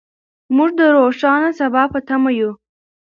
موږ د روښانه سبا په تمه یو.